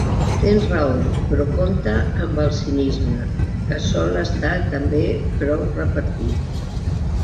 Tens raó, però compte amb el cinisme, que sol estar també prou repartit.